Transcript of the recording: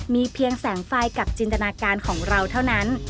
มีเพียงแสงไฟกับจินตนาการของเราเท่านั้น